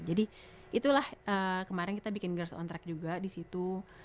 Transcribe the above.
jadi itulah kemarin kita bikin girls on track juga di situ